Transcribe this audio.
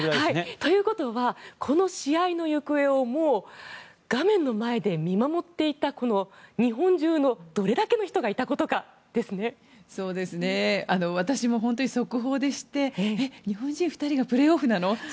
ということはこの試合の行方をもう画面の前で見守っていた日本中でどれだけの人が私も本当に速報で知って日本人２人がプレーオフなの？